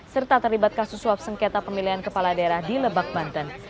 serta terlibat kasus suap sengketa pemilihan kepala daerah di lebak banten